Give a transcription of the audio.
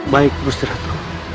baik bistri pradu